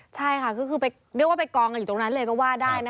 ใช่ค่ะคือเรียกว่าไปกองอยู่ตรงนั้นเลยก็ว่าได้